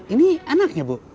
ini anaknya bu